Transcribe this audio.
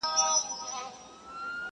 چي منلی پر کابل او هندوستان وو،